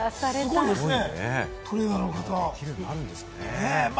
すごいですね。